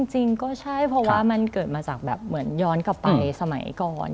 จริงก็ใช่เพราะว่ามันเกิดมาจากแบบเหมือนย้อนกลับไปสมัยก่อน